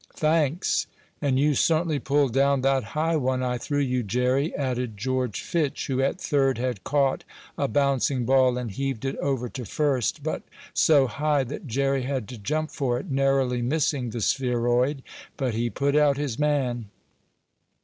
"Thanks." "And you certainly pulled down that high one I threw you, Jerry," added George Fitch, who, at third, had caught a bouncing ball and heaved it over to first, but so high that Jerry had to jump for it, narrowly missing the spheroid. But he put out his man.